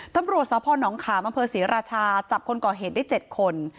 ตำรวจท้าพ่อน้องคามมศรีราชาจับคนก่อเหตุได้๗คน